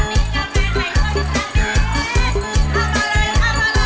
ขอบคุณค่ะ